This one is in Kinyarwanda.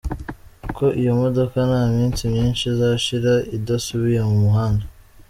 ko iyo modoka nta minsi myinshi izashira idasubiye mu muhanda.